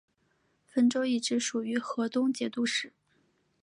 汾州一直属于河东节度使。